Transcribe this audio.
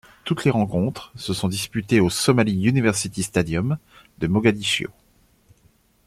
Toutes les rencontres se sont disputées au Somali University Stadium de Mogadiscio.